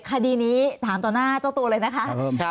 คดีนี้ถามต่อหน้าเจ้าตัวเลยนะคะ